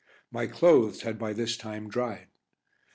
My clothes had by this time dried.